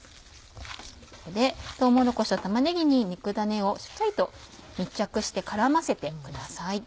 とうもろこしと玉ねぎに肉ダネをしっかりと密着して絡ませてください。